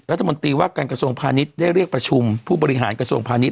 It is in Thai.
รัฐมนตรีว่าการกระทรวงพาณิชย์ได้เรียกประชุมผู้บริหารกระทรวงพาณิช